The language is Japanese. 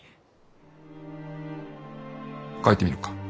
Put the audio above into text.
描いてみるか？